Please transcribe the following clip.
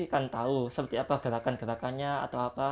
kan tahu seperti apa gerakan gerakannya atau apa